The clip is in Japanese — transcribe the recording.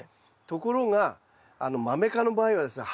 ところがマメ科の場合はですね